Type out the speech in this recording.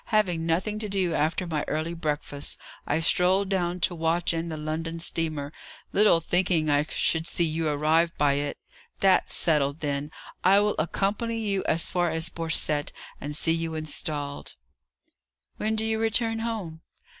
Having nothing to do after my early breakfast, I strolled down to watch in the London steamer, little thinking I should see you arrive by it. That's settled, then. I will accompany you as far as Borcette, and see you installed." "When do you return home?"